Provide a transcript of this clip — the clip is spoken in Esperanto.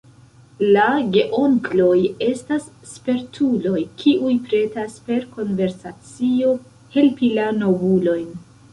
La geonkloj estas spertuloj, kiuj pretas per konversacio helpi la novulojn.